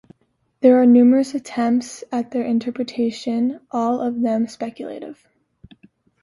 There are numerous attempts at their interpretation, all of them speculative.